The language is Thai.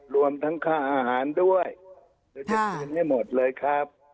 รวมทั้งค่าอาหารด้วยเดี๋ยวจะคืนให้หมดเลยครับ